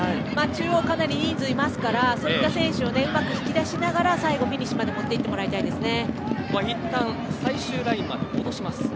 中央かなり人数いますからそういった選手をうまく引き出しながら最後、うまくフィニッシュまでもっていってほしいですね。